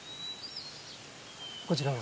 こちらは？